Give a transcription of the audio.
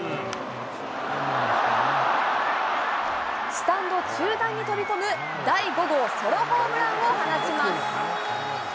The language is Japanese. スタンド中段に飛び込む第５号ソロホームランを放ちます。